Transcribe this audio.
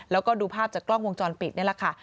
แล้วก็ดูภาพจากกล้องวงจรปิดนี่แหละค่ะ